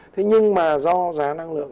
thế nhưng mà do giá năng lượng